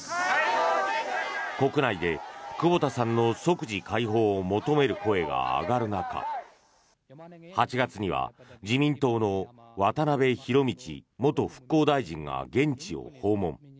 国内で久保田さんの即時解放を求める声が上がる中８月には自民党の渡辺博道元復興大臣が現地を訪問。